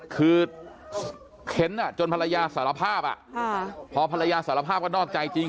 คือเค้นจนภรรยาสารภาพพอภรรยาสารภาพว่านอกใจจริง